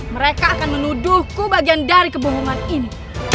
mereka akan menuduhku bagian dari kebohongan ini